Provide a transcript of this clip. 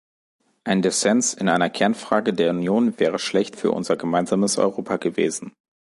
Ein Dissens in einer Kernfrage der Union wäre schlecht für unser gemeinsames Europa gewesen.